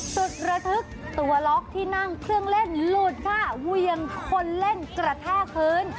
สุดระทึกตัวล็อกที่นั่งเครื่องเล่นหลุดค่ะเวียงคนเล่นกระแทกพื้น